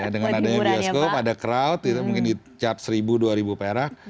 dengan adanya bioskop ada crowd mungkin di cap seribu dua ribu perak